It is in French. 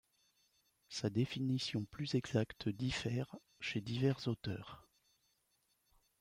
Sa défininition plus exacte diffère chez divers auteurs.